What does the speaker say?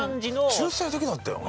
中性的だったよな